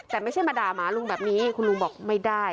แต่ไม่ใช่มาด่าหมาลุงแบบนี้คุณลุงบอกไม่ได้